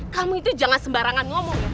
kamu itu jangan sembarangan ngomong